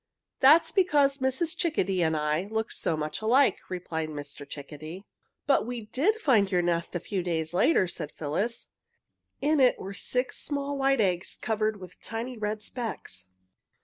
"That was because Mrs. Chickadee and I look so much alike," replied Mr. Chickadee. "But we did find your nest a few days later," said Phyllis. "In it were six small white eggs covered with tiny red specks.